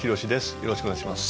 よろしくお願いします。